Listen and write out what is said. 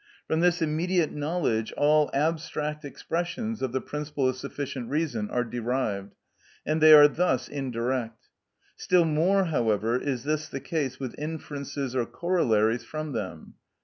From this immediate knowledge all abstract expressions of the principle of sufficient reason are derived, and they are thus indirect; still more, however, is this the case with inferences or corollaries from them.